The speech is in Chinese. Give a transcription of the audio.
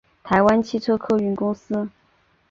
台湾汽车客运公司